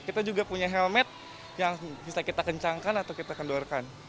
kita juga punya helmet yang bisa kita kencangkan atau k cerekan